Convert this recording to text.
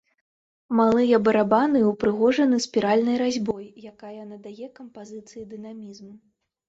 Малыя барабаны ўпрыгожаны спіральнай разьбой, якая надае кампазіцыі дынамізм.